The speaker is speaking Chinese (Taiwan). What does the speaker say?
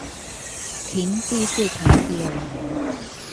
停第四台第二年